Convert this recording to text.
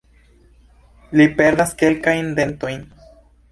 Li perdas kelkajn dentojn.